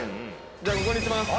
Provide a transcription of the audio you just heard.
じゃあここにします。